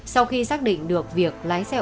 sau khi xác định được việc lấy sát hại